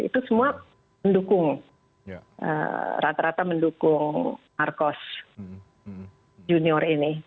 itu semua mendukung rata rata mendukung marcos junior ini